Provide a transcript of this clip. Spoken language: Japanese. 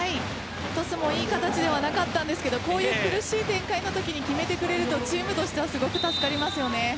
トスもいい形ではなかったんですがこういう苦しい展開のときに決めてくれるとチームとしてはすごく助かりますよね。